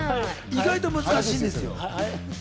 意外と難しいんですよ。